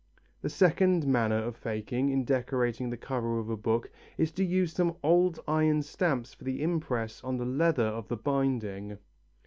The second manner of faking in decorating the cover of a book is to use some old iron stamps for the impress on the leather of the binding.